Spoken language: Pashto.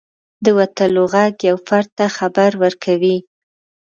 • د وتلو ږغ یو فرد ته خبر ورکوي.